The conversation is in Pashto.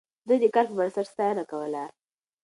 ده د کار پر بنسټ ستاينه کوله.